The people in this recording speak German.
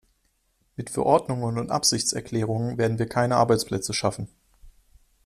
Mit Verordnungen und Absichtserklärungen werden wir keine Arbeitsplätze schaffen.